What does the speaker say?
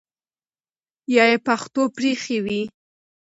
یا ئی پښتو پرېښې وي